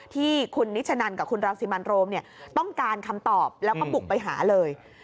ที่คุณนิชนันกับคุณรังสิมันโรมต้องการคำตอบแล้วก็บุกไปหาเลย